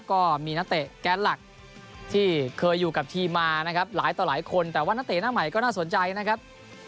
ก็มีนักเตะแก๊สหลักที่เคยอยู่กับทีมมานะครับหลายต่อหลายคนแต่ว่านักเตะหน้าใหม่ก็น่าสนใจนะครับ